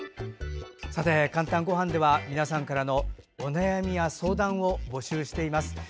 「かんたんごはん」では皆さんからのお悩みや相談を募集しています。